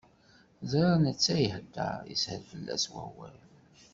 Ẓriɣ netta ad ihdeṛ, ishel fell-as wawal.